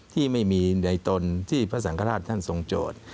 ที่ไม่มีในตนที่พระสังฆราชท่านทรงโจทย์